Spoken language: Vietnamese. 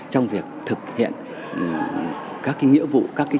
trong việc thực hiện các cái nhiệm vụ